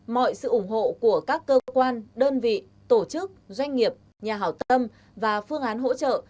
mọi sự ủng hộ của các cơ quan đơn vị tổ chức doanh nghiệp nhà hảo tâm và phương án hỗ trợ